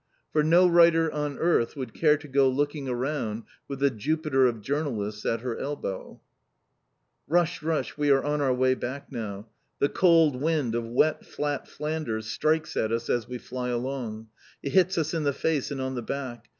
For no writer on earth would care to go looking around with the Jupiter of Journalists at her elbow! Rush, rush, we are on our way back now. The cold wind of wet, flat Flanders strikes at us as we fly along. It hits us in the face and on the back.